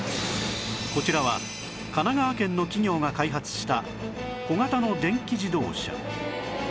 こちらは神奈川県の企業が開発した小型の電気自動車